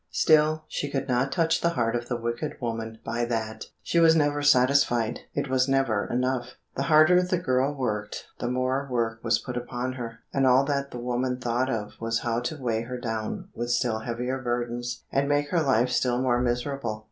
Still she could not touch the heart of the wicked woman by that; she was never satisfied; it was never enough. The harder the girl worked, the more work was put upon her, and all that the woman thought of was how to weigh her down with still heavier burdens, and make her life still more miserable.